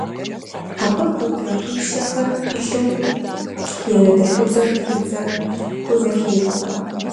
Абы гугъуехьищэхэр пылъу и анэдэльхубзэм тхыбзэ хузэхелъхьэ.